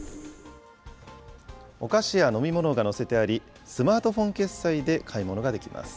お菓子や飲み物が載せてあり、スマートフォン決済で買い物ができます。